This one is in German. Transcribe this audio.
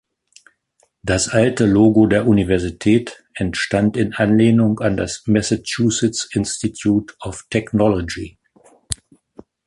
Das alte Logo der Universität entstand in Anlehnung an das Massachusetts Institute of Technology.